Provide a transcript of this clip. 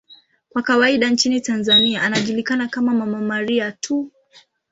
Kwa kawaida nchini Tanzania anajulikana kama 'Mama Maria' tu.